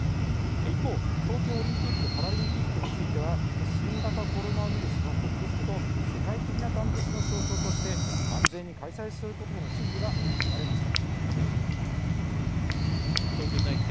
一方、東京オリンピック・パラリンピックについては新型コロナウイルスの克服と世界的な団結の象徴として安全に開催することへの指示が盛り込まれました。